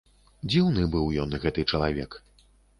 Дзіўны быў ён, гэты чалавек.